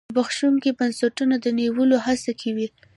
د زبېښونکو بنسټونو د نیولو هڅه کې وي.